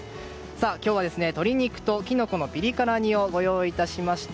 今日は鶏肉とキノコのピリ辛煮をご用意いたしました。